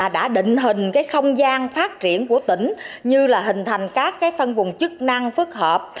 đã định hình không gian phát triển của tỉnh như là hình thành các phân vùng chức năng phức hợp